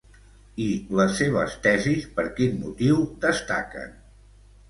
I les seves tesis per quin motiu destaquen?